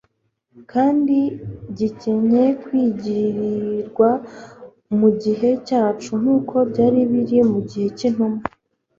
kandi gikencye kwizigirwa mu gihe cyacu nk'uko byari biri mu gihe cy'intumwa.